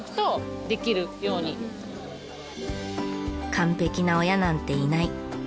完璧な親なんていない。